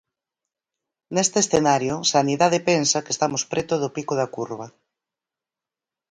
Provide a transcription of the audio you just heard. Neste escenario, Sanidade pensa que estamos preto do pico da curva.